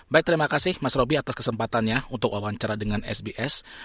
baik terima kasih mas roby atas kesempatannya untuk wawancara dengan sbs